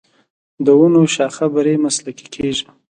د ونو شاخه بري مسلکي کیږي.